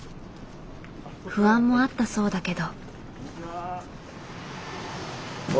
不安もあったそうだけど。